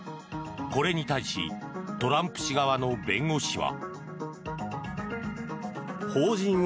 これに対しトランプ氏側の弁護士は。